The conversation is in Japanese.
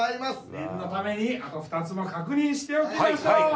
念のためにあと２つも確認しておきましょう。